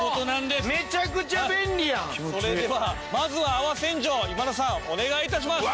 それではまずは泡洗浄を今田さんお願い致します！